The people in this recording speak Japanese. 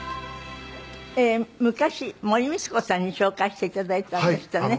昔森光子さんに紹介して頂いたんでしたね。